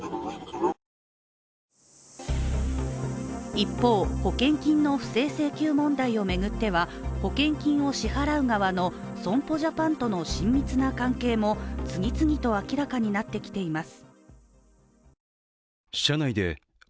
一方、保険金の不正請求問題を巡っては保険金を支払う側の損保ジャパンとの親密な関係も次々と明らかになってきています。